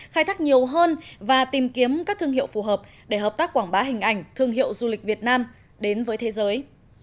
khai thác nhiều hơn và tìm kiếm các thương hiệu phù hợp để hợp tác quảng bá hình ảnh thương hiệu du lịch việt nam đến với thế giới